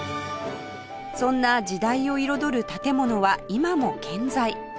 そんな時代を彩る建物は今も健在